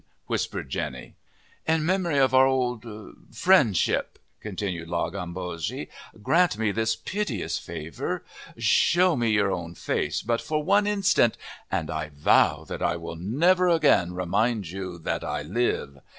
whispered Jenny. "In memory of our old friendship," continued La Gambogi, "grant me this piteous favour. Show me your own face but for one instant, and I vow that I will never again remind you that I live.